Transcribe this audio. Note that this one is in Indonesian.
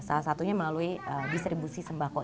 salah satunya melalui distribusi sembah kota